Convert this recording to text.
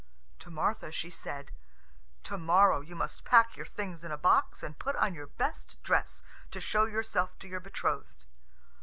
To Martha she said: "To morrow you must pack your things in a box, and put on your best dress to show yourself to your betrothed."